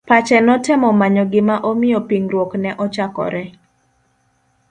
Pache notemo manyo gima omiyo pingruok ne ochakre.